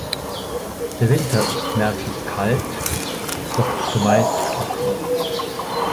Der Winter ist merklich kalt, doch zumeist trocken.